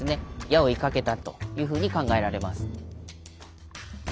矢を射かけたというふうに考えられます。